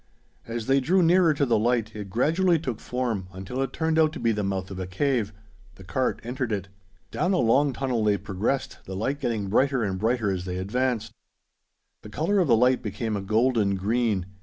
As they drew nearer to the light, it gradually took form, until it turned out to be the mouth of a cave. The cart entered it. Down a long tunnel they progressed, the light getting brighter and brighter as they advanced. The color of the light became a golden green.